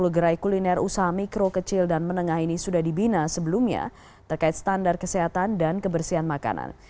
sepuluh gerai kuliner usaha mikro kecil dan menengah ini sudah dibina sebelumnya terkait standar kesehatan dan kebersihan makanan